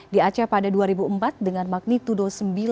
di aceh pada dua ribu empat dengan magnitudo sembilan